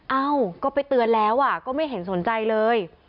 เอ้าก็ไปเตือนแล้วก็ไม่เห็นสนใจเลย